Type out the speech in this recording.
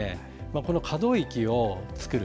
この可動域を作る。